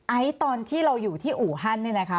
ไอซ์ตอนที่เราอยู่ที่อู่ฮันเนี่ยนะคะ